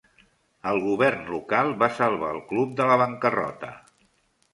El govern local va salvar el club de la bancarrota.